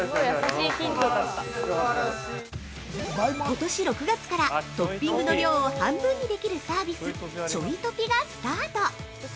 ◆今年６月からトッピングの量を半分にできるサービス「ちょいトピ」がスタート！